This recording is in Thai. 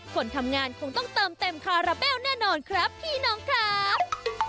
คนทำงานคงต้องเติมเต็มคาราเบลแน่นอนครับพี่น้องครับ